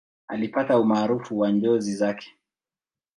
Alipata umaarufu kwa njozi zake.